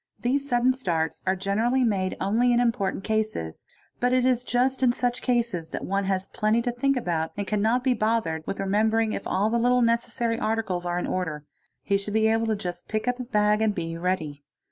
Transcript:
These sudden starts a generally made only in important cases, but it is just in such cases th one has plenty to think about and cannot be bothered with rememberti if all the little necessary articles are in order; he should be able just take up his bag and be ready.